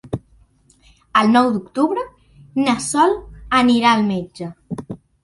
El nou d'octubre na Sol anirà al metge.